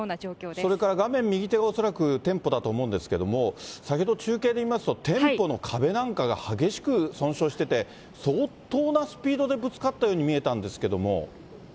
それから画面右手が恐らく店舗だと思うんですけれども、先ほど中継で見ますと、店舗の壁なんかが激しく損傷してて、相当なスピードでぶつかったように見えたんですけれども。